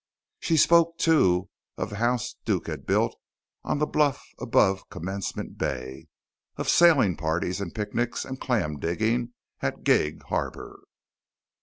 She spoke, too, of the house Duke had built on the bluff above Commencement Bay, of sailing parties and picnics and clam digging at Gig Harbor.